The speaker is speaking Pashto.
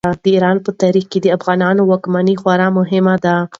د ایران په تاریخ کې د افغانانو واکمني خورا مهمه ده.